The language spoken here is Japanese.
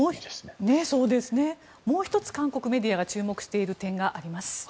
もう１つ韓国メディアが注目している点があります。